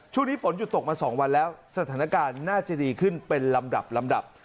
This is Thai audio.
ช่วงนี้ฝนหยุดตกมา๒วันแล้วสถานการณ์น่าจะดีขึ้นเป็นลำดับลำดับ